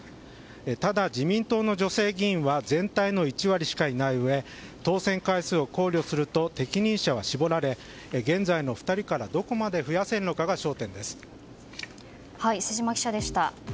ただ、自民党の女性議員は全体の１割しかいないうえ当選回数を考慮すると適任者は絞られ、現在の２人からどこまで増やせるのかが瀬島記者でした。